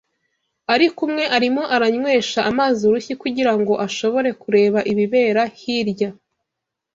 Ariko umwe arimo aranywesha amazi urushyi kugira ngo ashobore kureba ibibera hirya